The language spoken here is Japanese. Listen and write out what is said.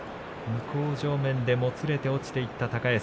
向正面でもつれて落ちていった高安。